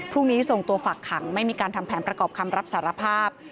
พรุ่งนี้ส่งตัวฝากขังไม่มีการทำแผนประกอบคำรับสารภาพ